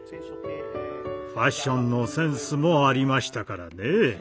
ファッションのセンスもありましたからね。